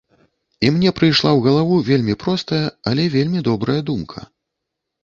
І мне прыйшла ў галаву вельмі простая, але вельмі добрая думка.